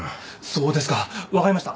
そうですか分かりました